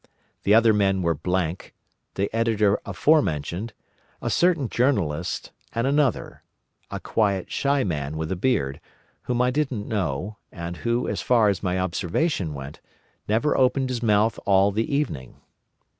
The other men were Blank, the Editor aforementioned, a certain journalist, and another—a quiet, shy man with a beard—whom I didn't know, and who, as far as my observation went, never opened his mouth all the evening.